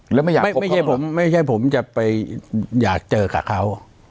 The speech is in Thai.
แล้วไม่อยากพบเขาหรอไม่ใช่ผมจะไปอยากเจอกับเขา